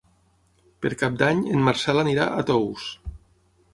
Per Cap d'Any en Marcel anirà a Tous.